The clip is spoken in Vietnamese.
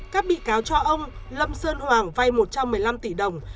các bị cáo cho ông lâm sơn hoàng vay một trăm một mươi năm tỷ đồng